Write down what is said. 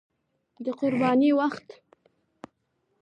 د قربانۍ وخت